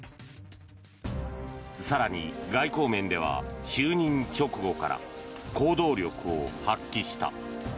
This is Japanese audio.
更に外交面では就任直後から行動力を発揮した。